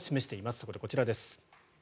そこでこちらです。